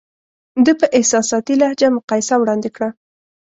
ده په احساساتي لهجه مقایسه وړاندې کړه.